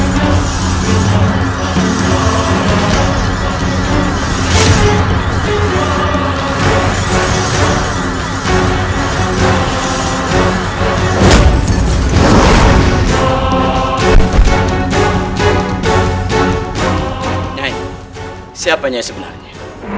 nyai siapanya sebenarnya